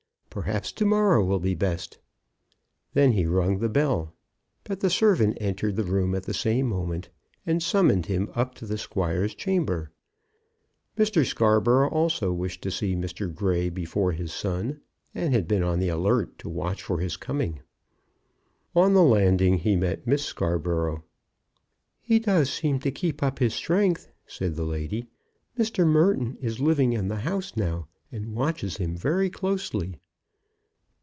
Perhaps to morrow will be best." Then he rung the bell; but the servant entered the room at the same moment and summoned him up to the squire's chamber. Mr. Scarborough also wished to see Mr. Grey before his son, and had been on the alert to watch for his coming. On the landing he met Miss Scarborough. "He does seem to keep up his strength," said the lady. "Mr. Merton is living in the house now, and watches him very closely."